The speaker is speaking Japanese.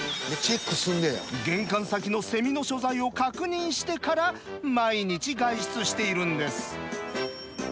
玄関先のセミの所在を確認してから毎日外出しているんです。